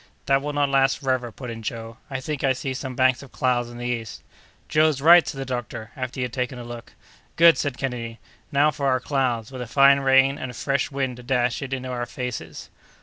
"That will not last forever," put in Joe; "I think I see some banks of clouds in the east." "Joe's right!" said the doctor, after he had taken a look. "Good!" said Kennedy; "now for our clouds, with a fine rain, and a fresh wind to dash it into our faces!"